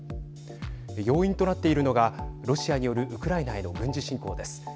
要因となっているのがロシアによるウクライナへの軍事侵攻です。